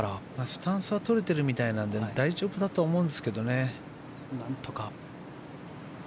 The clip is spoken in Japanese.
スタンスはとれてるみたいなので大丈夫だと思いますけどね。